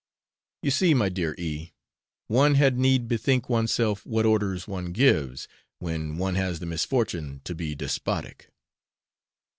You see, my dear E , one had need bethink oneself what orders one gives, when one has the misfortune to be despotic.